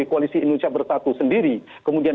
koalisi indonesia bersatu sendiri kemudian